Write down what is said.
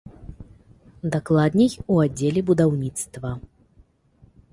Дакладней, у аддзеле будаўніцтва.